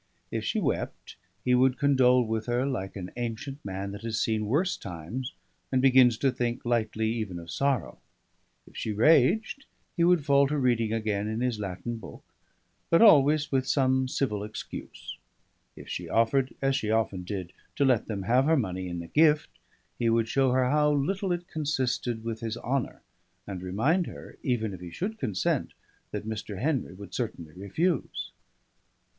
If she wept, he would condole with her like an ancient man that has seen worse times and begins to think lightly even of sorrow; if she raged, he would fall to reading again in his Latin book, but always with some civil excuse; if she offered, as she often did, to let them have her money in a gift, he would show her how little it consisted with his honour, and remind her, even if he should consent, that Mr. Henry would certainly refuse.